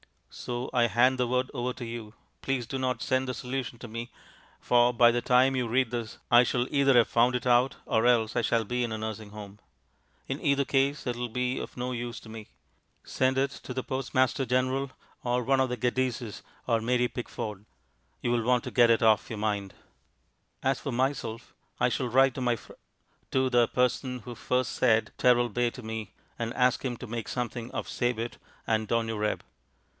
So I hand the word over to you. Please do not send the solution to me, for by the time you read this I shall either have found it out or else I shall be in a nursing home. In either case it will be of no use to me. Send it to the Postmaster General or one of the Geddeses or Mary Pickford. You will want to get it off your mind. As for myself I shall write to my fr , to the person who first said "Teralbay" to me, and ask him to make something of "sabet" and "donureb."